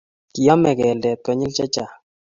Kiame keldet konyil chechang